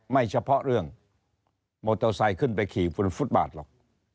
เฉพาะเรื่องมอเตอร์ไซค์ขึ้นไปขี่บนฟุตบาทหรอก